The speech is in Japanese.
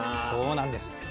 そうなんです。